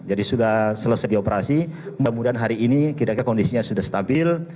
sudah selesai dioperasi mudah mudahan hari ini kira kira kondisinya sudah stabil